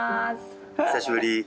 久しぶり。